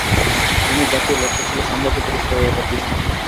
রোমের জাতীয় লক্ষ্য ছিল সাম্রাজ্য-প্রতিষ্ঠা ও উহার বিস্তার।